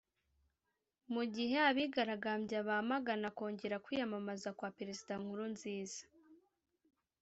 Mu gihe abigaragambya bamagana kongera kwiyamamaza kwa Perezida Nkurunziza